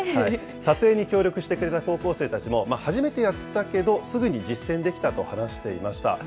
撮影に協力してくれた高校生たちも、初めてやったけど、すぐに実践できたと話していました。